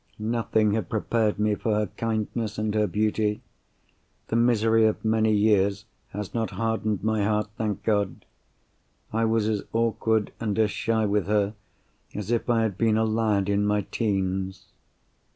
Nothing had prepared me for her kindness and her beauty. The misery of many years has not hardened my heart, thank God. I was as awkward and as shy with her, as if I had been a lad in my teens.